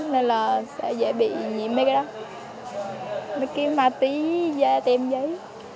nên là sẽ dễ bị nhiễm cái đó cái ma túy tem giấy